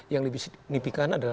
yang lebih nipikan adalah